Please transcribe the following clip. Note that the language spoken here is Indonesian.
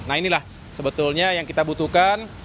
nah inilah sebetulnya yang kita butuhkan